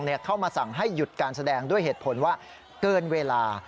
เข้ามาสั่งให้หยุดการแสดงด้วยเหตุผลว่าเกินเวลา